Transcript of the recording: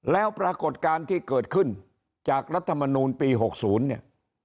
แล้วปรากฏการณ์ที่เกิดขึ้นจากรัฐมนูลปี๖๐เนี่ย